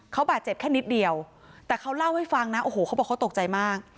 เขาบาดเจ็บแค่นิดเดียวแต่เขาเล่าให้ฟังนะโอ้โหเขาบอกเขาตกใจมาก